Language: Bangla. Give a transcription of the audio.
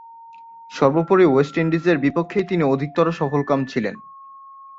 সর্বোপরি ওয়েস্ট ইন্ডিজের বিপক্ষেই তিনি অধিকতর সফলকাম ছিলেন।